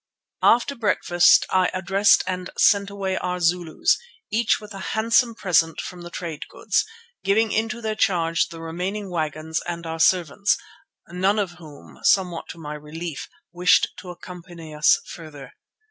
After breakfast I addressed and sent away our Zulus, each with a handsome present from the trade goods, giving into their charge the remaining wagon and our servants, none of whom, somewhat to my relief, wished to accompany us farther.